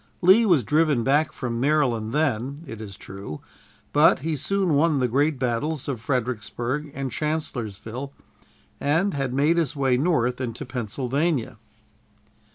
Lee was driven back from Maryland then, it is true, but he soon won the great battles of Fredericksburg and Chancellorsville, and had made his way north into Pennsylvania.